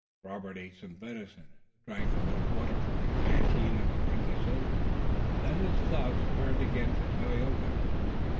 Robert ate some venison, and drank a little water from the canteen of a friendly soldier. Then his thoughts turned again to Tayoga.